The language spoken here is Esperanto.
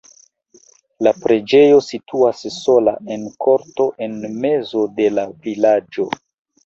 La preĝejo situas sola en korto en mezo de la vilaĝo.